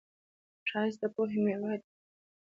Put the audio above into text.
ښایست د پوهې میوه ده